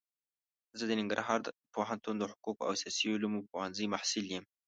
زه د ننګرهار پوهنتون د حقوقو او سیاسي علومو پوهنځي محصل يم.